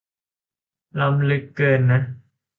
ล้ำลึกเกินน่ะ